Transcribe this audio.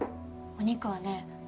お肉はね